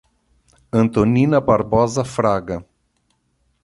Antonina Barbosa Fraga